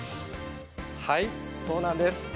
はいそうなんです。